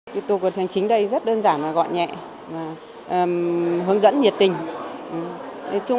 thủ tục hành chính đây rất đơn giản và gọn nhẹ hướng dẫn nhiệt tình